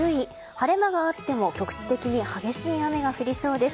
晴れ間があっても局地的に激しい雨が降りそうです。